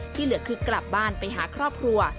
เหลือคือกลับบ้านไปหาครอบครัว